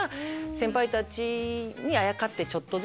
先輩たちにあやかってちょっとずつ。